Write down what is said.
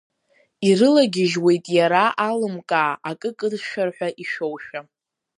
Ирылагьежьуеит иара алымкаа акы кыдшәар ҳәа ишәошәа.